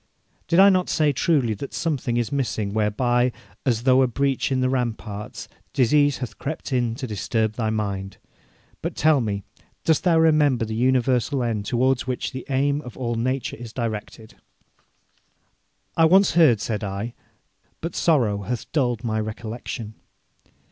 'Did I not say truly that something is missing, whereby, as through a breach in the ramparts, disease hath crept in to disturb thy mind? But, tell me, dost thou remember the universal end towards which the aim of all nature is directed?' 'I once heard,' said I, 'but sorrow hath dulled my recollection.'